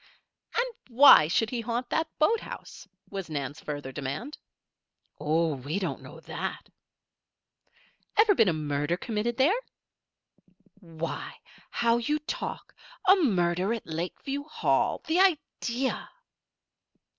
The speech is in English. "And why should he haunt that boathouse?" was Nan's further demand. "Oh! we don't know that." "Ever been a murder committed there?" "Why! how you talk! A murder at Lakeview Hall? The idea!"